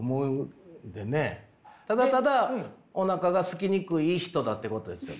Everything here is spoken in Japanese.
ただただおなかがすきにくい人だってことですよ。